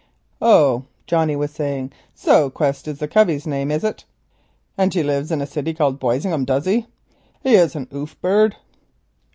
"Oh," Johnnie was saying, "so Quest is his name, is it, and he lives in a city called Boisingham, does he? Is he an off bird?"